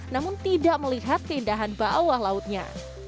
namun tidak melihat keindahan bawah lautnya